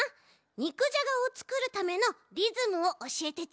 にくじゃがをつくるためのリズムをおしえてち。